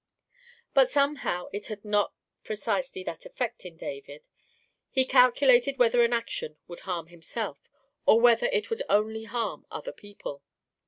But somehow it had not precisely that effect in David: he calculated whether an action would harm himself, or whether it would only harm other people.